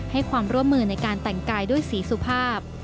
ให้ความร่วมมือในการแต่งกายด้วยสีสุภาพ